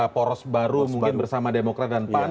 poros baru mungkin bersama demokrat dan pan